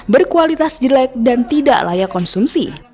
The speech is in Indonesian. berkualitas jelek dan tidak layak konsumsi